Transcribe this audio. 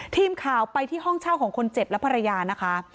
ทีมข่าวไปที่ห้องเช่าของคนเจ็บและภรรยานะคะ